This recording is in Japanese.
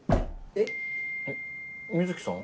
えっ美月さん？